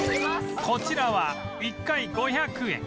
こちらは１回５００円